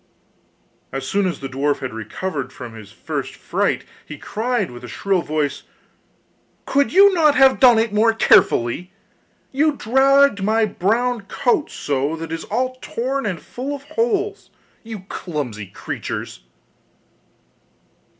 As soon as the dwarf had recovered from his first fright he cried with his shrill voice: 'Could you not have done it more carefully! You dragged at my brown coat so that it is all torn and full of holes, you clumsy creatures!